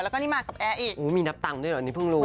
แล้วก็นี่มากับแอร์อีกโอ้มีนับตังค์ด้วยหรือพึ่งรู้